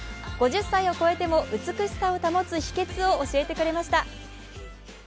５０歳を超えても美しさを保つ秘けつを教えてくれました。